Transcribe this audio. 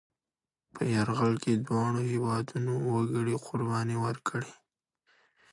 په یرغل کې دواړو هېوادنو وګړي قربانۍ ورکړې.